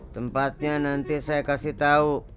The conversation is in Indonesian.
tempatnya nanti saya kasih tahu